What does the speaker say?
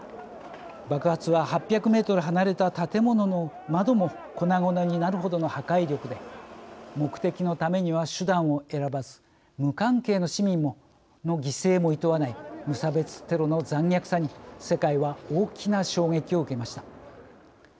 爆発は８００メートル離れた建物の窓も粉々になる程の破壊力で目的のためには手段を選ばず無関係の市民の犠牲もいとわない無差別テロの残虐さに世界は大きな衝撃を受けました。